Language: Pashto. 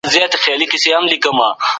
د پرمختیا کچه د نفوس له ودي چټکه ده.